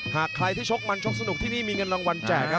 หากใครที่ชกมันชกสนุกที่นี่มีเงินรางวัลแจกครับ